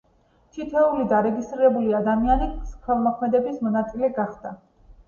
თითოეული დარეგისტრირებული ადამიანი, ქველმოქმედების მონაწილე გახდა.